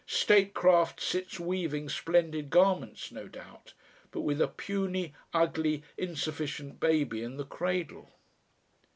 Statecraft sits weaving splendid garments, no doubt, but with a puny, ugly, insufficient baby in the cradle.